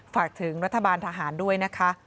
ฝากถึงรัฐบาลทหารด้วยนะคะ